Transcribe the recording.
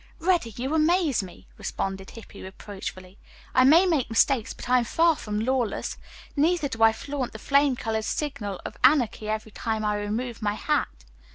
"Reddy, you amaze me," responded Hippy reproachfully. "I may make mistakes, but I am far from lawless. Neither do I flaunt the flame colored signal of anarchy every time I remove my hat."